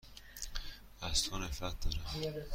از تو نفرت دارم.